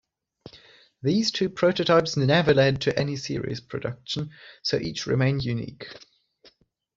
These two prototypes never led to any series production, so each remained unique.